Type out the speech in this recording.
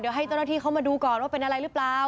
เดี๋ยวให้เจ้าหน้าที่เข้ามาดูก่อนว่าเป็นอะไรหรือเปล่า